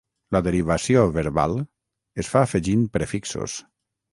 La derivació verbal es fa afegint prefixos.